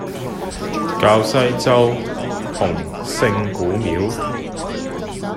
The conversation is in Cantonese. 滘西洲洪聖古廟